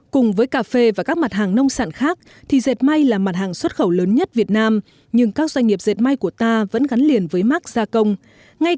cùng với cà phê và các mặt hàng nông sản khác thì dệt may là mặt hàng xuất khẩu lớn nhất việt nam nhưng các doanh nghiệp dệt may của ta vẫn gắn liền với mát gia công